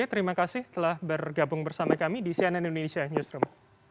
terima kasih telah bergabung bersama kami di cnn indonesia newsroom